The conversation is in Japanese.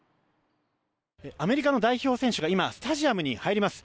アメリカの代表選手が今、スタジアムに入ります。